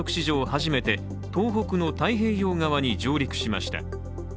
初めて、東北の太平洋側に上陸しました。